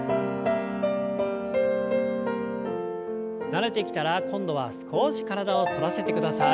慣れてきたら今度は少し体を反らせてください。